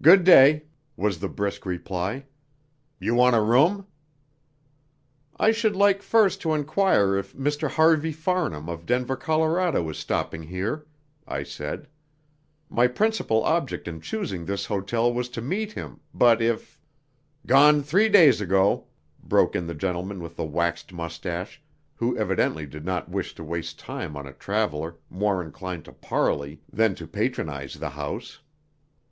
"Good day," was the brisk reply. "You want a room?" "I should like first to enquire if Mr. Harvey Farnham, of Denver, Colorado, is stopping here," I said. "My principal object in choosing this hotel was to meet him, but if " "Gone three days ago," broke in the gentleman with the waxed moustache, who evidently did not wish to waste time on a traveller more inclined to parley than to patronise the house.